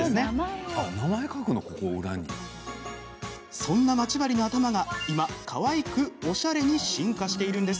そんな、まち針の頭が今、かわいくおしゃれに進化しているんです。